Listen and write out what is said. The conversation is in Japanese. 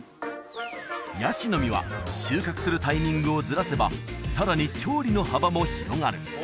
ヤシの実は収穫するタイミングをずらせばさらに調理の幅も広がる